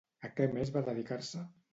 A què més va dedicar-se?